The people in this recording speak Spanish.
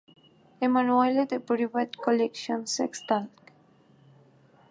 Emmanuelle the Private Collection: Sex Talk